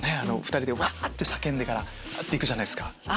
２人でわ！って叫んでから行くじゃないですか。